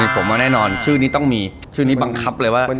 ผมว่าแน่นอนชื่อนี้ต้องมีชื่อนี้บังคับเลยว่า